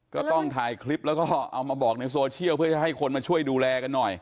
ก็ต้องถ่ายคลิปแล้วก็เอามาบอกในโซเชียลเพื่อจะให้คนมาช่วยดูแลกันหน่อย